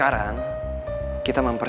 kayaknya yang sakit itu si clara